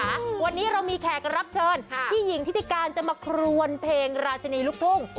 วันนี้เรามีแขกรับเชิญพี่หญิงทิติการจะมาครวนเพลงราชนีลูกทุ่ง